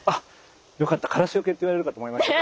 よかったカラスよけって言われるかと思いました。